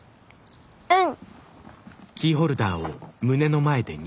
うん。